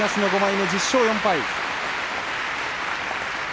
１０勝４敗。